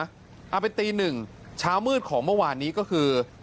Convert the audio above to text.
อั้าเบทตี๑ช้ามืดของเมื่อวานนี้ก็คือ